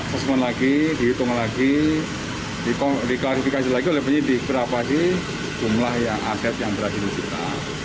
assessment lagi dihitung lagi diklarifikasi lagi oleh penyidik berapa sih jumlah yang aset yang berhasil disita